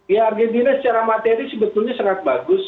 ya argentina secara materi sebetulnya sangat bagus